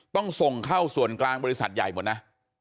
ต้องส่งเข้าส่วนกลางบริษัทใหญ่หมดนะ